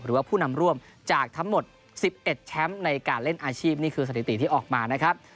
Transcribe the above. หรือว่าผู้นำร่วมจากทั้งหมด๑๑แชมป์ในการเล่นอาชีพนี่คือสถิติที่ออกมานะครับ